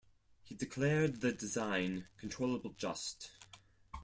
He declared the design controllable-just.